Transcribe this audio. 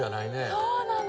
そうなの？